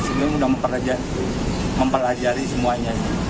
jadi dia tahu seharian dia sudah mempelajari semuanya